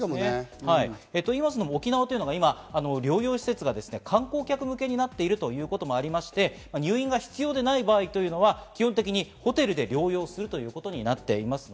と言いますのも沖縄は今、療養施設が観光客向けになっているということもありまして、入院が必要でない場合は基本的にホテルで療養するということになっています。